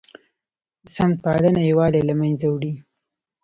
سمت پالنه یووالی له منځه وړي